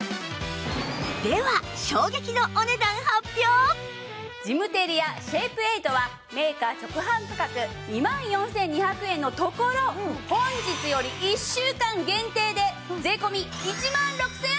では衝撃のジムテリアシェイプエイトはメーカー直販価格２万４２００円のところ本日より１週間限定で税込１万６８００円です！